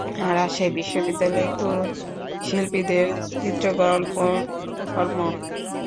রাজশাহী বিশ্ববিদ্যালয়ের তরুণ শিল্পীদের চিত্রকর্ম নিয়ে পাঁচ দিনব্যাপী শিল্পকর্ম প্রদর্শনী শুরু হয়েছে।